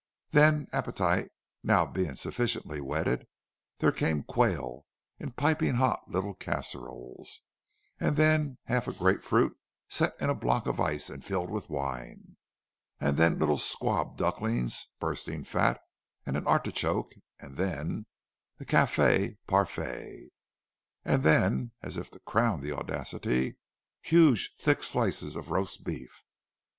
Then—appetite now being sufficiently whetted—there came quail, in piping hot little casseroles—; and then half a grape fruit set in a block of ice and filled with wine; and then little squab ducklings, bursting fat, and an artichoke; and then a café parfait; and then—as if to crown the audacity—huge thick slices of roast beef!